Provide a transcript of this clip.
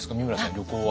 旅行は？